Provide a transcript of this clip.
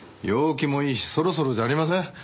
陽気もいいしそろそろじゃありません？